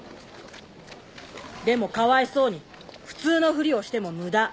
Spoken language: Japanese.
でもかわいそうに普通のフリをしてもムダ。